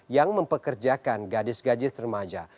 yang mempekerjakan gadis gadis remaja